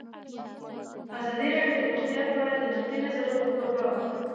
ازادي راډیو د روغتیا په اړه د نقدي نظرونو کوربه وه.